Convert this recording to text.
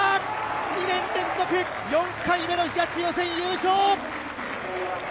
２年連続４回目の東予選、優勝！